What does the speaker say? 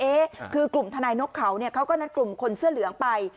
คือกลุ่มทนายนกเขาเนี่ยเขาก็นัดกลุ่มคนเสื้อเหลืองไป